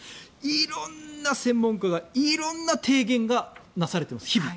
色んな専門家が色んな提言が日々なされている。